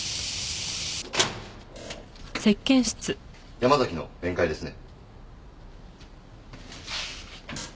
山崎の面会ですね？